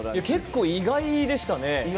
結構、意外でしたね。